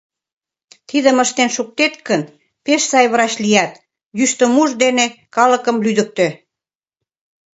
Тидым ыштен шуктет гын, пеш сай врач лият... йӱштымуж дене калыкым лӱдыктӧ!..